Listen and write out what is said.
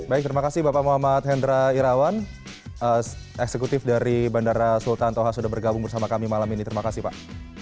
baik terima kasih bapak muhammad hendra irawan eksekutif dari bandara sultan toha sudah bergabung bersama kami malam ini terima kasih pak